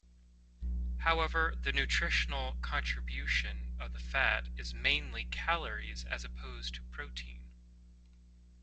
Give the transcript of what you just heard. However, the nutritional contribution of the fat is mainly calories as opposed to protein.